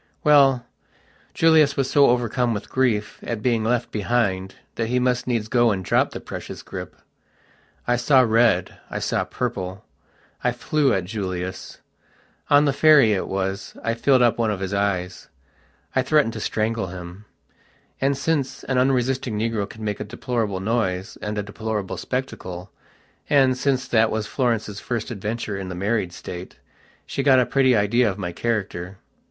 Well, Julius was so overcome with grief at being left behind that he must needs go and drop the precious grip. I saw red, I saw purple. I flew at Julius. On the ferry, it was, I filled up one of his eyes; I threatened to strangle him. And, since an unresisting negro can make a deplorable noise and a deplorable spectacle, and, since that was Florence's first adventure in the married state, she got a pretty idea of my character.